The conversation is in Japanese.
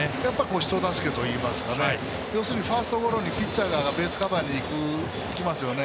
人助けといいますか要するにファーストゴロにピッチャーがベースカバーにいきますよね。